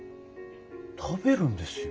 食べるんですよ。